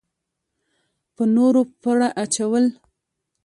په نورو پړه اچول.